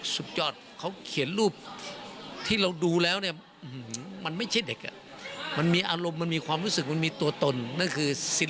สุดยอดเขาเขียนรูปที่เราดูแล้วเนี่ยมันไม่ใช่เด็กมันมีอารมณ์มันมีความรู้สึกมันมีตัวตนนั่นคือ